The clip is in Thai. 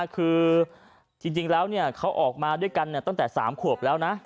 คือจริงแล้วเขาออกมาด้วยกันตั้งแต่๓ขวบแล้วนะ